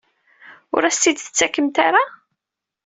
Ur as-t-id-tettakemt ara?